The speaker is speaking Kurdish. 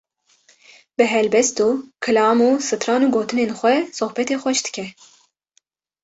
bi helbest û kilam û stran û gotinên xwe sohbetê xweş dike.